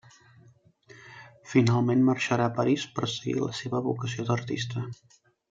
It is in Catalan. Finalment, marxarà a París per seguir la seva vocació d'artista.